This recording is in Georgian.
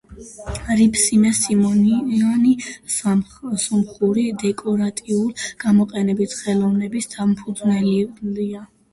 რიფსიმე სიმონიანი სომხური დეკორატიულ-გამოყენებითი ხელოვნების დამფუძნებელია.